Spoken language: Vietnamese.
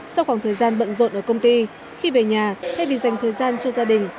sau khoảng thời gian bận rộn ở công ty khi về nhà thay vì dành thời gian cho gia đình